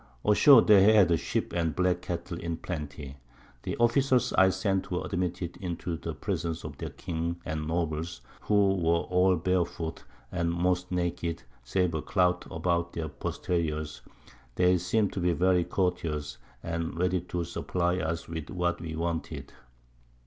Ashore they had Sheep and Black Cattle in plenty. The Officers I sent were admitted into the Presence of their King and Nobles, who were all bare foot, and most naked, save a Clout about their Posteriors; they seem'd to be very courteous, and ready to supply us with what we wanted.